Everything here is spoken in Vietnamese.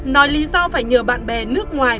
nói lý do phải nhờ bạn bè nước ngoài